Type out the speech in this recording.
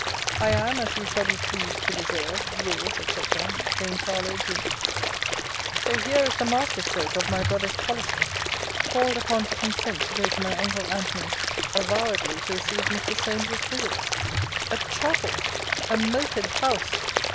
I am, as you shall be pleased to deserve, Yours, &c. JAMES HARLOWE, JUN. So here is the master stroke of my brother's policy! Called upon to consent to go to my uncle Antony's avowedly to receive Mr. Solmes's visits! A chapel! A moated house!